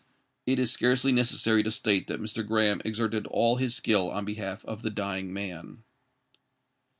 It is scarcely necessary to state that Mr. Graham exerted all his skill on behalf of the dying man.